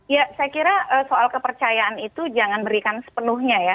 ya saya kira soal kepercayaan itu jangan berikan sepenuhnya ya